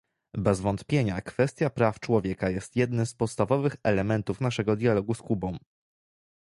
Bez wątpienia kwestia praw człowieka jest jednym z podstawowych elementów naszego dialogu z Kubą